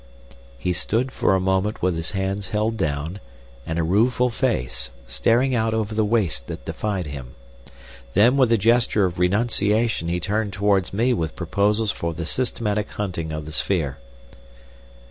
He stood for a moment with his hands held down and a rueful face, staring out over the waste that defied him. Then with a gesture of renunciation he turned towards me with proposals for the systematic hunting of the sphere.